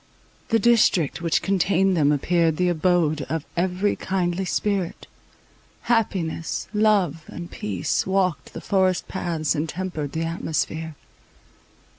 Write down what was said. The district which contained them appeared the abode of every kindly spirit. Happiness, love and peace, walked the forest paths, and tempered the atmosphere.